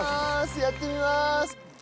やってみまーす！